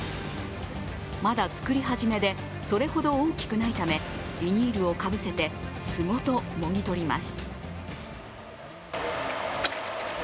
まだ作り始めで、それほど大きくないため、ビニールをかぶせて巣ごともぎ取ります。